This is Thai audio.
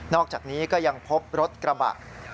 อกจากนี้ก็ยังพบรถกระบะ